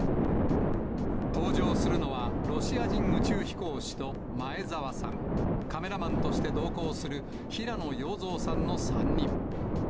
搭乗するのはロシア人宇宙飛行士と前澤さん、カメラマンとして同行する平野陽三さんの３人。